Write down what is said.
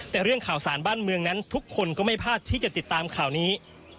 แต่เรื่องข่าวสารบ้านเมืองนั้นทุกคนก็ไม่พลาดที่จะติดตามข่าวนี้